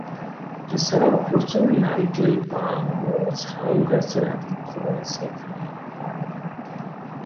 এছাড়াও প্রচুর নারিকেল, পাম ও ঝাউ গাছের আধিক্য রয়েছে এখানে।